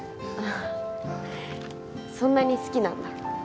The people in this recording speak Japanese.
あそんなに好きなんだ